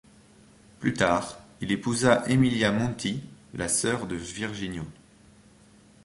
Plus tard, il épousa Emilia Monti, la sœur de Virginio.